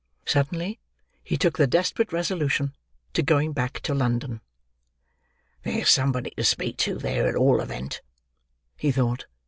Suddenly, he took the desperate resolution to going back to London. "There's somebody to speak to there, at all event," he thought.